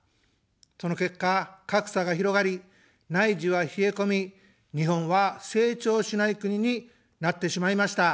その結果、格差が広がり、内需は冷え込み、日本は「成長しない国」になってしまいました。